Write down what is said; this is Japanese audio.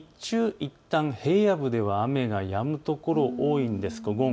いったん平野部では雨がやむ所、多いんです。